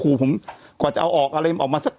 แต่หนูจะเอากับน้องเขามาแต่ว่า